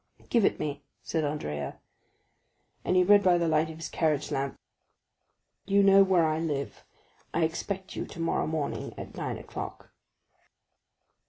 "Give it me," said Andrea, and he read by the light of his carriage lamp: "'You know where I live; I expect you tomorrow morning at nine o'clock.